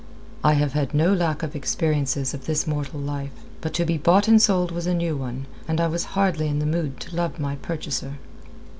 "I have had no lack of experiences of this mortal life; but to be bought and sold was a new one, and I was hardly in the mood to love my purchaser."